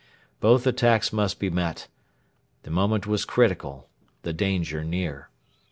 Both attacks must be met. The moment was critical; the danger near.